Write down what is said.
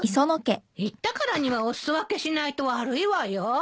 言ったからにはお裾分けしないと悪いわよ。